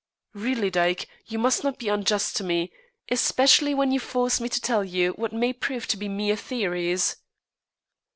Really, Dyke, you must not be unjust to me, especially when you force me to tell you what may prove to be mere theories."